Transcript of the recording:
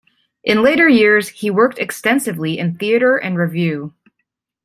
In later years he worked extensively in theatre and revue.